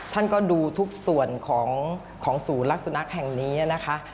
ท่านก็ดูทุกส่วนของศูนย์รักสุนัขแห่งนี้นะคะ